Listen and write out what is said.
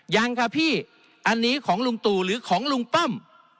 ยังค่ะพี่อันนี้ของลุงตู่หรือของลุงป้อม